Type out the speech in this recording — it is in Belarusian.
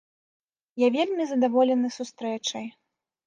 Я вельмі задаволены сустрэчай.